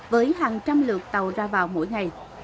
với hàng trăm lượt tàu ra vào mỗi ngày